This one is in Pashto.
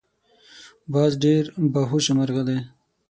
باز ډیر باهوشه مرغه دی